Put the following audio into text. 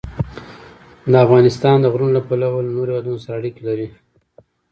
افغانستان د غرونه له پلوه له نورو هېوادونو سره اړیکې لري.